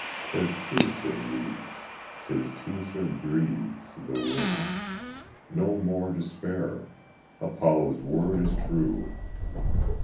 'Tis Teucer leads, 'tis Teucer breathes the wind; No more despair; Apollo's word is true.